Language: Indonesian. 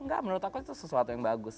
enggak menurut aku itu sesuatu yang bagus